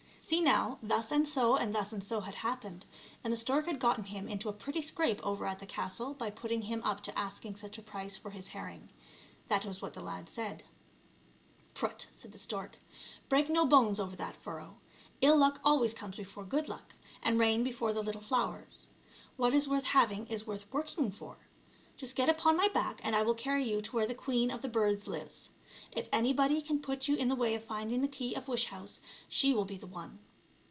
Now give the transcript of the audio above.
See now, thus and so and thus and so had happened, and the stork had gotten him into a pretty scrape over at the castle by putting him up to asking such a price for his herring ; that was what the lad said. " Prut !" says the stork, " break no bones over that furrow ; ill luck al ways comes before good luck, and rain before the little flowers; what is worth having is worth working for. Just get upon my back and I will carry you to where the queen of the birds lives ; if anybody can put you in the way of finding the key of wish house she will be the one."